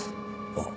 ああ。